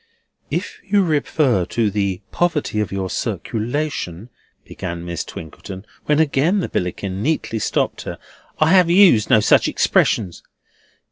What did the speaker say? "If you refer to the poverty of your circulation," began Miss Twinkleton, when again the Billickin neatly stopped her. "I have used no such expressions."